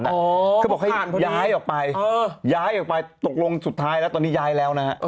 เขาบอกว่าให้ทราบไฟล์อย่างสุดท้ายถูกลงสวัสดีแล้วตอนนี้ย้ายแล้วนะฮะ